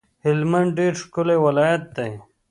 هلمند ډیر ښکلی ولایت دی